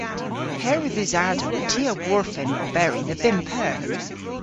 Herwydh usadow ty a worfen oberi dhe bymp eur.